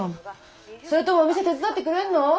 それともお店手伝ってくれるの？